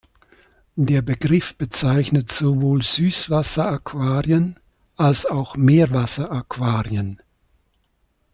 Der Begriff bezeichnet sowohl Süßwasser-Aquarien als auch Meerwasseraquarien.